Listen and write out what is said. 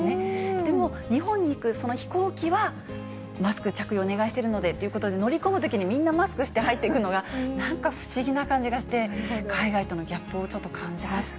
でも、日本に行くその飛行機は、マスク着用お願いしているのでということで、乗り込むときにみんなマスクして入っていくのが、なんか不思議な感じがして、海外とのギャップをちょっと感じました。